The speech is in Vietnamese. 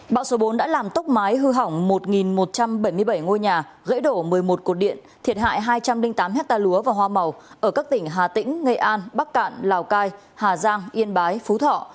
bão số bốn đã làm tốc mái hư hỏng một một trăm bảy mươi bảy ngôi nhà gãy đổ một mươi một cột điện thiệt hại hai trăm linh tám hectare lúa và hoa màu ở các tỉnh hà tĩnh nghệ an bắc cạn lào cai hà giang yên bái phú thọ